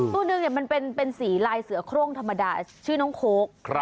ตัวหนึ่งมันเป็นสีลายเสือโครงธรรมดาชื่อน้องโค้ก